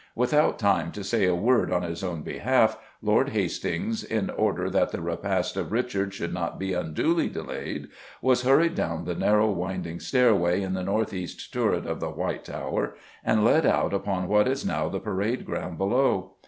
Without time to say a word on his own behalf, Lord Hastings, in order that the repast of Richard should not be unduly delayed, was hurried down the narrow, winding stairway in the north east turret of the White Tower and led out upon what is now the parade ground, below.